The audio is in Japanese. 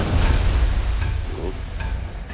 おっ。